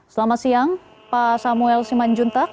selamat siang pak samuel simanjuntak